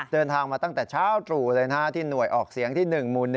เดินทางมาตั้งแต่เช้าตรู่เลยที่หน่วยออกเสียงที่๑หมู่๑